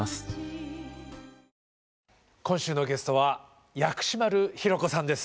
今週のゲストは薬師丸ひろ子さんです。